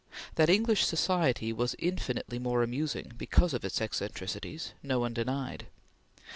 That English society was infinitely more amusing because of its eccentricities, no one denied.